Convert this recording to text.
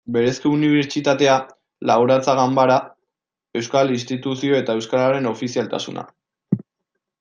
Berezko unibertsitatea, Laborantza Ganbara, Euskal Instituzioa eta euskararen ofizialtasuna.